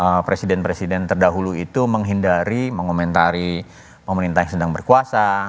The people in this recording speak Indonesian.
bagaimana presiden presiden terdahulu itu menghindari mengomentari pemerintah yang sedang berkuasa